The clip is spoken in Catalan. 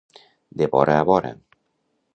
De vora a vora.